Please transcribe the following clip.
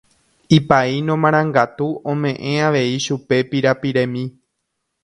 Ipaíno marangatu omeʼẽ avei chupe pirapiremi.